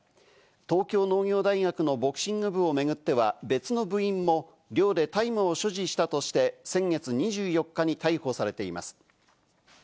東京農業大学のボクシング部を巡っては、別の部員も寮で大麻を所持したとして先月２４日に逮捕されています。